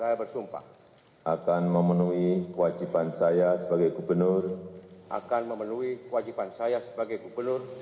akan memenuhi kewajiban saya sebagai gubernur